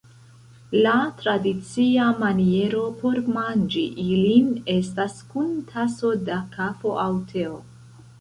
La tradicia maniero por manĝi ilin estas kun taso da kafo aŭ teo.